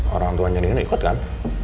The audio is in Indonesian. orang tua nyariin ikut kan